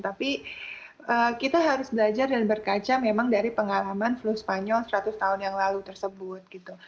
tapi kita harus belajar dan berkaca memang dari pengalaman flu spanyol seratus tahun yang lalu tersebut gitu